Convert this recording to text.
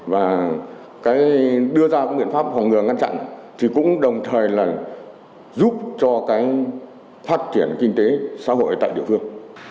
và đưa ra các biện pháp phòng ngừa ngăn chặn thì cũng đồng thời là giúp cho cái phát triển kinh tế xã hội tại địa phương